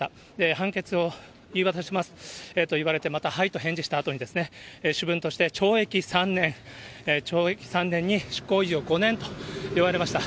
判決を言い渡しますと言われてまた、はいと返事したあとに、主文として懲役３年、懲役３年に執行猶予５年と言われました。